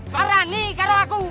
barani kalau aku